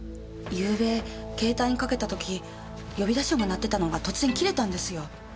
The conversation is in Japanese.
昨夜携帯にかけた時呼び出し音が鳴ってたのが突然切れたんですよ。